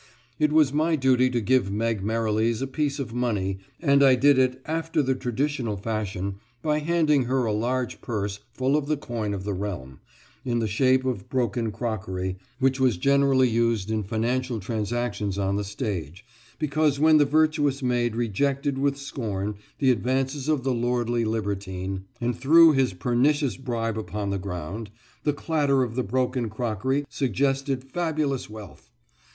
It was my duty to give Meg Merrilies a piece of money, and I did it after the traditional fashion by handing her a large purse full of the coin of the realm, in the shape of broken crockery, which was generally used in financial transactions on the stage, because when the virtuous maid rejected with scorn the advances of the lordly libertine, and threw his pernicious bribe upon the ground, the clatter of the broken crockery suggested fabulous wealth.